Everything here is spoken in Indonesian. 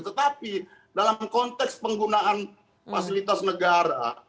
tetapi dalam konteks penggunaan fasilitas negara